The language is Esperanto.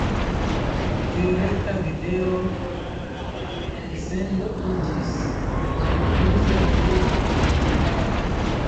Tiu rekta video-elsendo iĝis surprize tre populara.